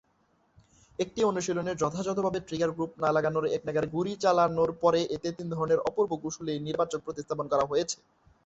একটি অনুশীলনে যথাযথভাবে ট্রিগার গ্রুপ না লাগানোয় একনাগাড়ে গুলি চলার পরে এতে তিন ধরনের অপূর্ব কুশলী নির্বাচক প্রতিস্থাপন করা হয়েছে।